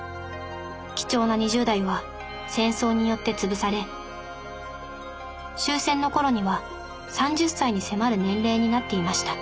貴重な２０代は戦争によって潰され終戦の頃には３０歳に迫る年齢になっていました。